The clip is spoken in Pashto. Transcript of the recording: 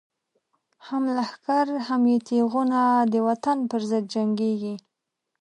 هم لښکر هم یی تیغونه، د وطن پر ضد جنگیږی